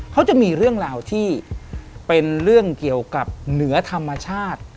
เขาจะมีเรื่องราวที่เป็นเรื่องเกี่ยวกับเหนือธรรมชาติ